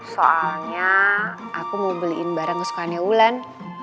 soalnya aku mau beliin barang kesukaannya ulan